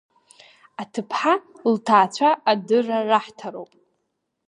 Аҭыԥҳа лҭаацәа адырра раҳҭароуп…